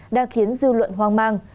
đã khiến dư luận hoang mang